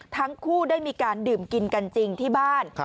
ทั้งคู่ได้มีการดื่มกินกันจริงที่บ้าน